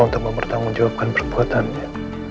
untuk mempertanggungjawabkan perbuatannya